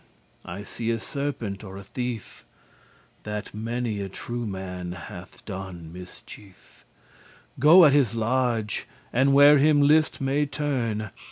I see a serpent or a thief That many a true man hath done mischief, Go at his large, and where him list may turn.